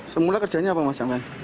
semula kerjanya apa mas